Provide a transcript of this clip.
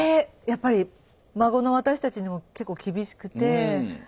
やっぱり孫の私たちにも結構厳しくて礼儀とか。